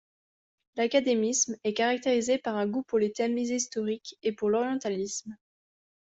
L'académisme est caractérisé par un goût pour les thèmes historiques et pour l'orientalisme.